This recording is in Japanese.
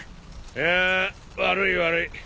いやぁ悪い悪い。